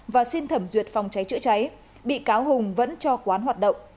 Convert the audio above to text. và xin thẩm duyệt phòng cháy chữa cháy bị cáo hùng vẫn cho quán hoạt động